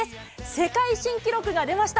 世界新記録が出ました。